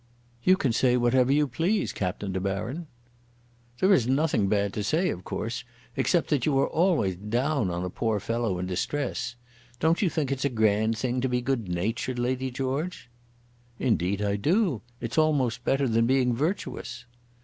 "You can say whatever you please, Captain De Baron." "There is nothing bad to say, of course, except that you are always down on a poor fellow in distress. Don't you think it's a grand thing to be good natured, Lady George?" "Indeed I do. It's almost better than being virtuous."